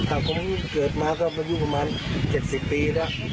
ถ้าผมเกิดมาก็ประมาณ๗๐ปีแล้ว